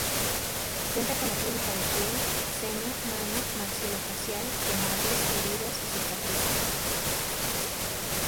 Cuenta con clínica de piel, seno, mano, maxilofacial, quemados, heridas y cicatrices.